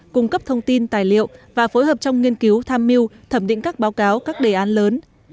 cung cấp thông tin tài liệu và phối hợp trong nghiên cứu tham mưu thẩm định các báo cáo các đề án lớn